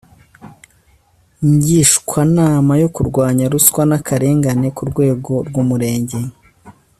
Ngishwanama yo Kurwanya Ruswa n Akarengane ku Rwego rw Umurenge